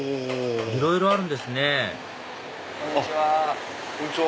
いろいろあるんですねこんにちは。